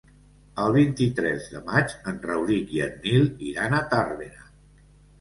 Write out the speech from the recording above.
El vint-i-tres de maig en Rauric i en Nil iran a Tàrbena.